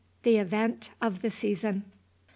THE EVENT OF THE SEASON. "Mr.